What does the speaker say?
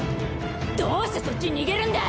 どうしてそっちに逃げるんだい！